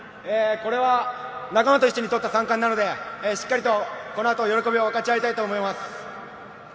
これは仲間と一緒に取った３冠なので、しっかりとこの後喜びを分かち合いたいと思います。